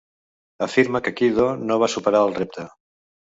Afirma que Kiddo no va superar el repte.